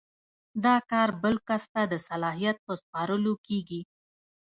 دا کار بل کس ته د صلاحیت په سپارلو کیږي.